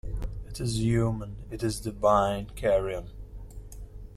It is human, it is divine, carrion.